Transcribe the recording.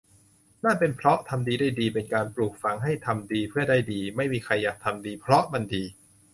นั่นเป็นเพราะ ทำดีได้ดี เป็นการปลูกฝังให้ทำดีเพื่อได้ดี ไม่มีใครอยากทำดีเพราะมันดี